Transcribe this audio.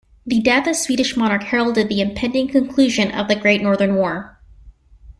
The death of Swedish monarch heralded the impending conclusion of the Great Northern War.